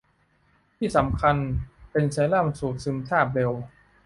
ที่สำคัญเป็นเซรั่มสูตรซึมซาบเร็ว